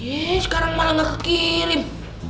yeee sekarang malah gak kekirim